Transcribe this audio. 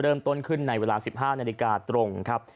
เริ่มต้นขึ้นในเวลา๑๕นาฬิกาตรงครับ